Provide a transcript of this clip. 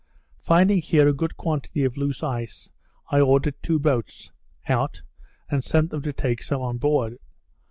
Finding here a good quantity of loose ice, I ordered two boats out, and sent them to take some on board.